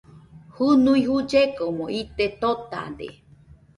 Jɨnui jullekomo ite totade